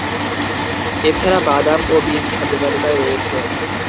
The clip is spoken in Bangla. এছাড়া বাদাম ও বীজ খাদ্যতালিকায় রয়েছে।